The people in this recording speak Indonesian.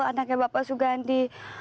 anaknya bapak sugandi